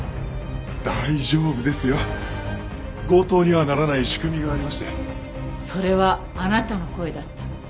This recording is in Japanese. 「大丈夫ですよ」「強盗にはならない仕組みがありまして」それはあなたの声だった。